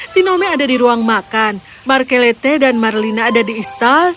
tinome ada di ruang makan markelete dan marlina ada di istal